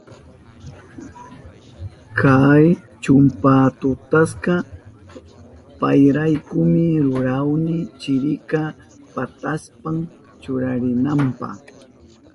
Kay chumpastutaka payraykumi rurahuni, chirika paktashpan churarinanpa.